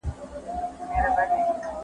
څېړونکي له ډېر پخوا له احساساتو ډډه کوي.